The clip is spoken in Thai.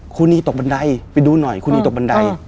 ครูนีตกบันไดไปดูหน่อยครูนีตกบันได